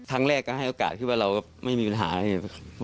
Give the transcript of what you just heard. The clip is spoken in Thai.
ครั้งแรกก็ให้โอกาสคิดว่าเราไม่มีปัญหาอะไรอย่างนี้